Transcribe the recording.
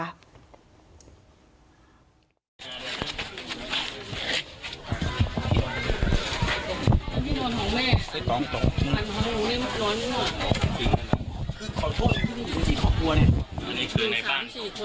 พี่น้องของแม่ต้องตกขอโทษมึงสิขอบคุณ